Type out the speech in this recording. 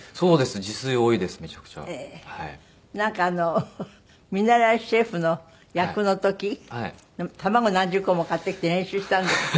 なんかあの見習いシェフの役の時卵何十個も買ってきて練習したんですって？